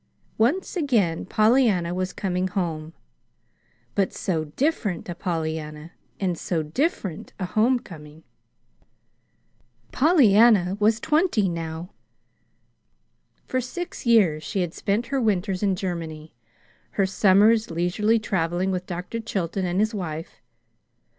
Once again Pollyanna was coming home but so different a Pollyanna, and so different a homecoming! Pollyanna was twenty now. For six years she had spent her winters in Germany, her summers leisurely traveling with Dr. Chilton and his wife.